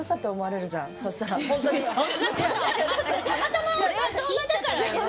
たまたまじゃない？